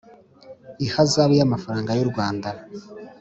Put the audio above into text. ihazabu y’ amafaranga y u Rwanda